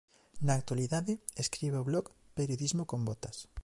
Na actualidade escribe o blog "Periodismo con botas".